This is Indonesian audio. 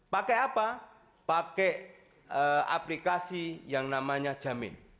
pakai apa pakai aplikasi yang namanya jamin